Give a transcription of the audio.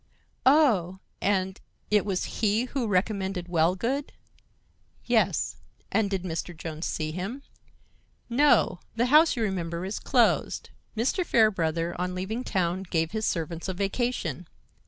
"Oh! and it was he who recommended Wellgood?" "Yes." "And did Mr. Jones see him?" "No. The house, you remember, is closed. Mr. Fairbrother, on leaving town, gave his servants a vacation.